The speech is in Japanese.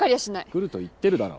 来ると言ってるだろう。